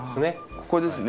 ここですね。